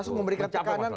termasuk memberikan tekanan